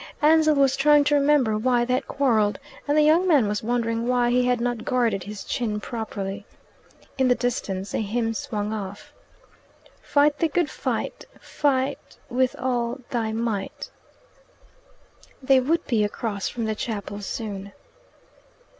Ansell was trying to remember why they had quarrelled, and the young man was wondering why he had not guarded his chin properly. In the distance a hymn swung off "Fight the good. Fight with. All thy. Might." They would be across from the chapel soon.